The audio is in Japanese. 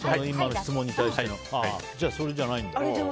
じゃあ、それじゃないんだ。